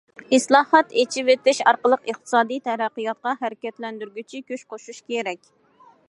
ئىسلاھات، ئېچىۋېتىش ئارقىلىق ئىقتىسادىي تەرەققىياتقا ھەرىكەتلەندۈرگۈچى كۈچ قوشۇش كېرەك.